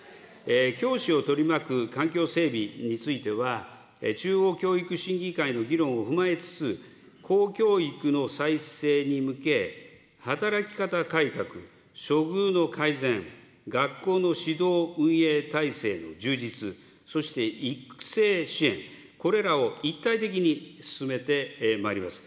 教師を取り巻く環境整備については、中央教育審議会の議論を踏まえつつ、公教育の再生に向け、働き方改革、処遇の改善、学校の指導運営体制の充実、そして育成支援、これらを一体的に進めてまいります。